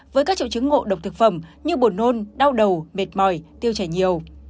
với các triệu chứng ngộ độc thực phẩm như buồn nôn đau đầu mệt mỏi tiêu chảy nhiều